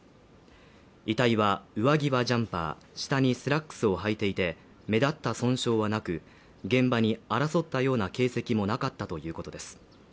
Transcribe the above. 遺体は上着はジャンパー下にスラックスを履いていて、目立った損傷はなく、現場に争ったような形跡もなかったということです。